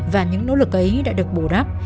và những nỗ lực ấy đã được bù đắp